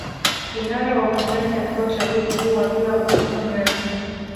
Kinara wa upinzani katika uchaguzi huo akiwa Augustino Mrema